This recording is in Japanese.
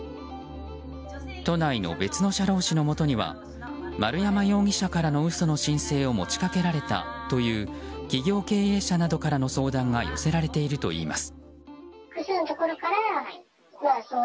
都内の別の社労士のもとには丸山容疑者からの嘘の申請を持ち掛けられたという企業経営者などからの相談が寄せられているといいます。